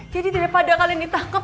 jadi daripada kalian ditangkap